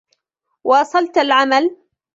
واصلت العمل